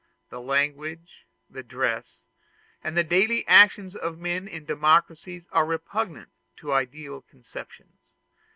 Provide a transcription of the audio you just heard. The language, the dress, and the daily actions of men in democracies are repugnant to ideal conceptions.